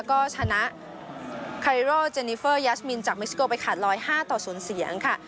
ก็ชนะจากเม็กซิโกไปค่ะรอยห้าต่อสูญเสียงค่ะ